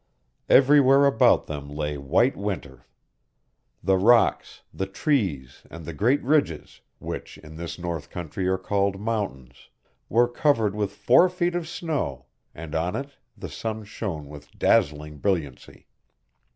Everywhere about them lay white winter. The rocks, the trees, and the great ridges, which in this north country are called mountains, were covered with four feet of snow and on it the sun shone with dazzling brilliancy.